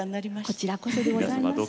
こちらこそでございます。